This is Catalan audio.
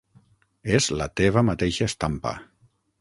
És la teva mateixa estampa.